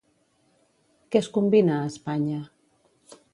Què es combina a Espanya?